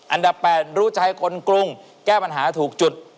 อันดับ๘รู้ใจคนกรุงแก้ปัญหาถูกจุด